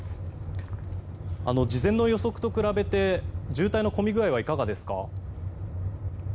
事前の予測と比べて渋滞の混み具合はいかがですか？